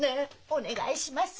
お願いします！